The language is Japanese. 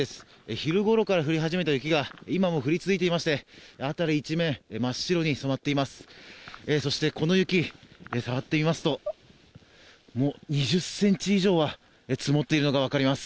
昼ごろから降り始めた雪が今も降り続いていまして辺り一面真っ白に染まっています。